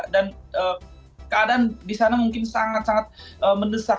dan keadaan di sana mungkin sangat sangat mendesak